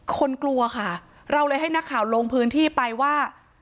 กลัวค่ะเราเลยให้นักข่าวลงพื้นที่ไปว่า